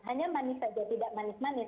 hanya manis saja tidak manis manis